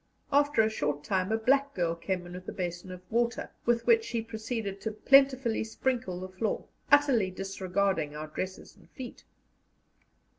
After a short time a black girl came in with a basin of water, with which she proceeded to plentifully sprinkle the floor, utterly disregarding our dresses and feet.